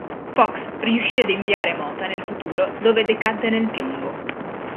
Fox riuscì ad inviare Mota nel futuro dove decadde nel piombo.